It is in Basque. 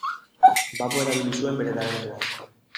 Bapo erabili zuen bere talentua.